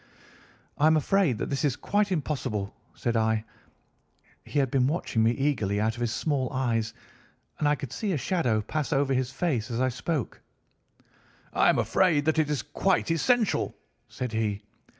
"'I am afraid that that is quite impossible,' said I. He had been watching me eagerly out of his small eyes, and I could see a shadow pass over his face as I spoke. "'I am afraid that it is quite essential,' said he.